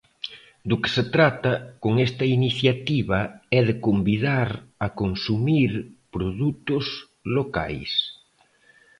Do que se trata con esta iniciativa é de convidar a consumir produtos locais.